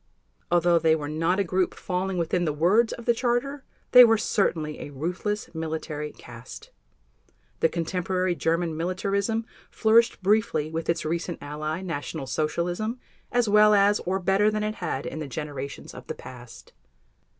Although they were not a group falling within the words of the Charter, they were certainly a ruthless military caste. The contemporary German militarism flourished briefly with its recent ally, National Socialism, as well as or better than it had in the generations of the past.